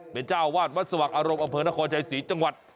เป็นเจ้าวาดวัดสว่างอารมณ์อำเภอนครชายศรีจังหวัด